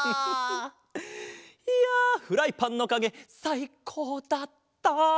いやフライパンのかげさいこうだった！